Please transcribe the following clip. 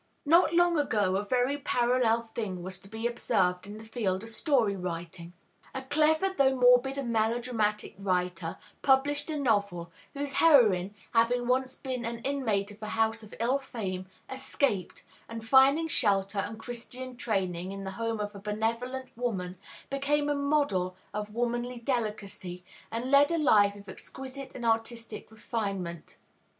Not long ago a very parallel thing was to be observed in the field of story writing. A clever, though morbid and melodramatic writer published a novel, whose heroine, having once been an inmate of a house of ill fame, escaped, and, finding shelter and Christian training in the home of a benevolent woman, became a model of womanly delicacy, and led a life of exquisite and artistic refinement.